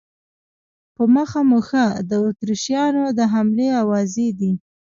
په مخه مو ښه، د اتریشیانو د حملې آوازې دي.